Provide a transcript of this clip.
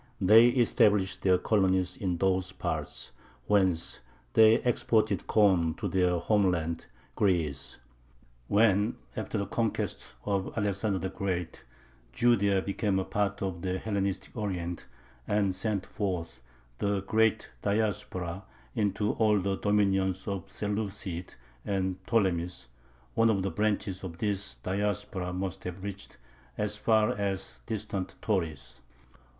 they established their colonies in those parts, whence they exported corn to their homeland, Greece. When, after the conquests of Alexander the Great, Judea became a part of the Hellenistic Orient, and sent forth the "great Diaspora" into all the dominions of the Seleucids and Ptolemies, one of the branches of this Diaspora must have reached as far as distant Tauris.